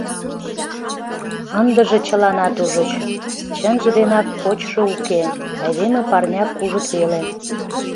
Ындыже чыланат ужыч: чынже денак почшо уке, айдеме парня кужыт веле.